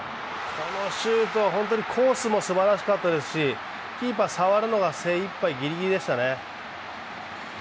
このシュート、本当にコースもすばらしかったですしキーパー、触るのが精いっぱい、ギリギリでしたね。